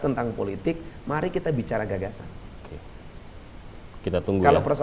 tentang politik mari kita bicara gagasan